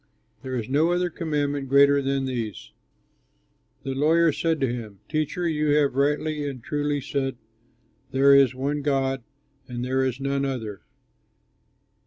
There is no other commandment greater than these." The lawyer said to him, "Teacher, you have rightly and truly said, 'There is one God and there is none other.